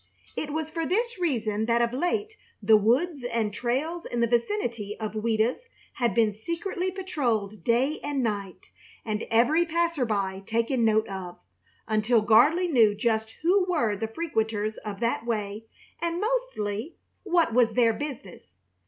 It was for this reason that of late the woods and trails in the vicinity of Ouida's had been secretly patrolled day and night, and every passer by taken note of, until Gardley knew just who were the frequenters of that way and mostly what was their business.